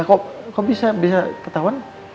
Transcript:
kok bisa ketahuan